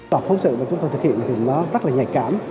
và phóng sự mà chúng tôi thực hiện thì nó rất là nhạy cảm